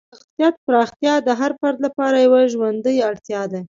شخصیت پراختیا د هر فرد لپاره یوه ژوندۍ اړتیا ده.